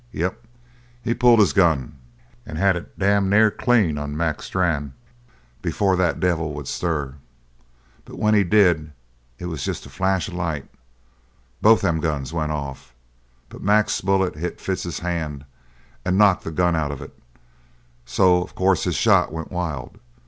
Yep, he pulled his gun and had it damned near clean on Mac Strann before that devil would stir. But when he did, it was jest a flash of light. Both them guns went off, but Mac's bullet hit Fitz's hand and knocked the gun out of it so of course his shot went wild.